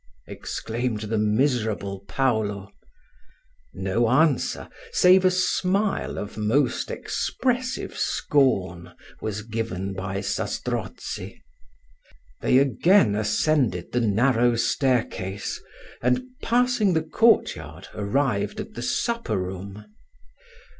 exclaimed the miserable Paulo. No answer, save a smile of most expressive scorn, was given by Zastrozzi. They again ascended the narrow staircase, and, passing the court yard, arrived at the supper room.